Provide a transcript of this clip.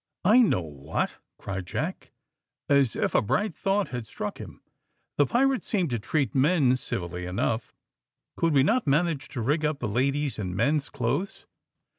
"I know what!" cried Jack, as if a bright thought had struck him. "The pirates seem to treat men civilly enough; could we not manage to rig up the ladies in men's clothes?